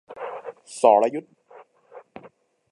สรยุทธ